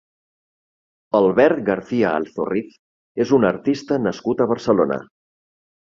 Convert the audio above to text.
Albert García-Alzorriz és un artista nascut a Barcelona.